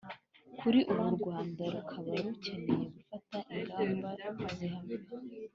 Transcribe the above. kuri ubu u rwanda rukaba rukeneye gufata ingamba zihamye